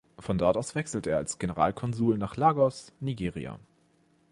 Von dort aus wechselte er als Generalkonsul nach Lagos (Nigeria).